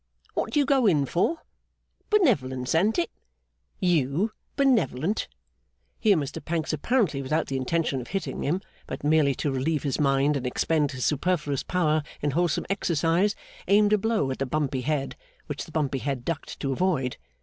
What do you go in for? Benevolence, an't it? You benevolent!' Here Mr Pancks, apparently without the intention of hitting him, but merely to relieve his mind and expend his superfluous power in wholesome exercise, aimed a blow at the bumpy head, which the bumpy head ducked to avoid.